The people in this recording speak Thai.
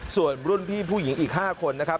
ส่วนรุ่นพี่ผู้หญิงอีก๕คนนะครับ